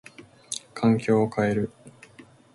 環境を変える。